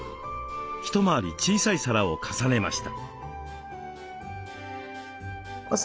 一回り小さい皿を重ねました。